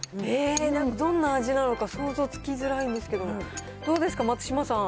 どんな味なのか、想像つきづらいんですけど、どうですか、松嶋さん。